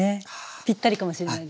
ぴったりかもしれないです。